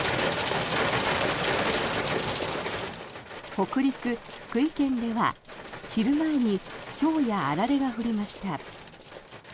北陸・福井県では昼前にひょうやあられが降りました。